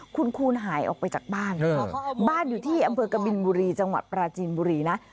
คุณคูณหายออกไปจากบ้านบ้านอยู่ที่อำเภอกบินบุรีจังหวัดปราจีนบุรีนะ